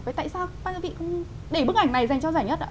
vậy tại sao các bác giám thảo không để bức ảnh này dành cho giải nhất ạ